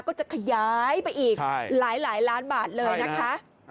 ก็จะขยายไปอีกหลายล้านบาทเลยนะคะ